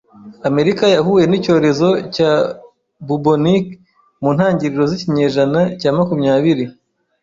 Amerika yahuye n'icyorezo cya Bubonic mu ntangiriro z'ikinyejana cya makumyabiri.